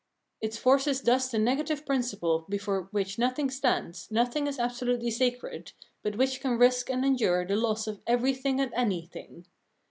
Its force is thus the negative principle before which nothing stands, nothing is absolutely sacred, but which can risk and endure the loss of everything and anything.